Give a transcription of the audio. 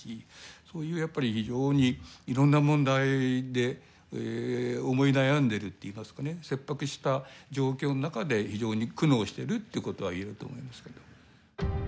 そういうやっぱり非常にいろんな問題で思い悩んでいるっていいますかね切迫した状況の中で非常に苦悩しているっていうことは言えると思いますけど。